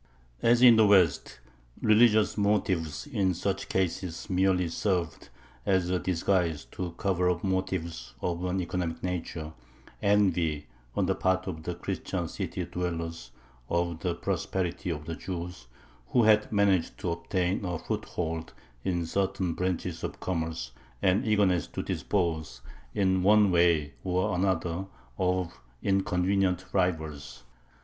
As in the West, religious motives in such cases merely served as a disguise to cover up motives of an economic nature envy on the part of the Christian city dwellers of the prosperity of the Jews, who had managed to obtain a foothold in certain branches of commerce, and eagerness to dispose in one way or another of inconvenient rivals.